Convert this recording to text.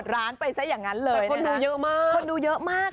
เอาไว้ตุ๋นอย่างเดียวครับไม่ได้ตุ๋นครับ